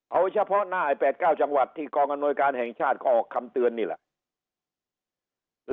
เอาเฉพาะหน้าไอ้๘๙จังหวัดที่กองอำนวยการแห่งชาติก็ออกคำเตือนนี่แหละ